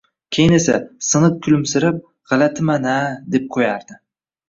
Keyin esa, siniq kulimsirab, g`alatiman-a deb qo`yardi